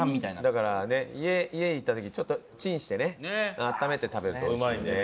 だからね家行った時ちょっとチンしてね温めて食べると美味しいよね。